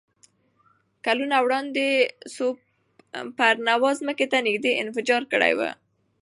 کلونه وړاندې سوپرنووا ځمکې ته نږدې انفجار کړی وي.